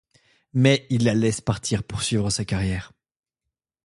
Mais il la laisse partir poursuivre sa carrière.